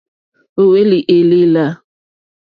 Ó hwélì èlèlà.